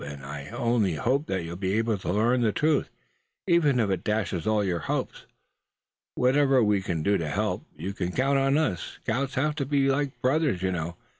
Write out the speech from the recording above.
And I only hope that you'll be able to learn the truth, even if it dashes all your hopes. Whatever we can do to help, you can count on. Scouts have to be like brothers, you know.